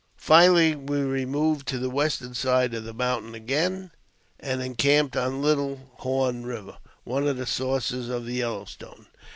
Finally, we removed to the western side of , the mountain again, and encamped on Little Horn Eiver, onfll of the sources of the Yellow Stone.